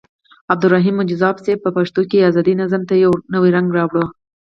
عبدالرحيم مجذوب صيب په پښتو کې ازاد نظم ته يو نوې رنګ راوړو.